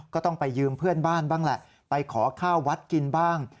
ก็ต้องไปยืมเพื่อนบ้านบ้างแหละไปขอข้าววัดกินบ้าง